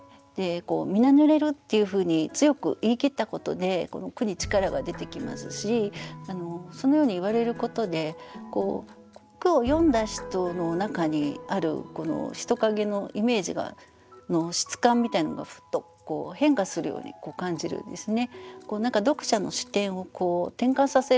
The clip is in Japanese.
「みな濡れる」っていうふうに強く言い切ったことでこの句に力が出てきますしそのように言われることで句を読んだ人の中にある人影のイメージの質感みたいなのがふっと変化するように感じるんですね。